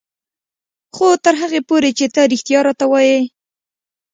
خو تر هغې پورې چې ته رښتيا راته وايې.